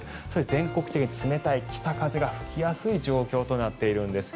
全国的に冷たい北風が吹きやすい状況となっているんです。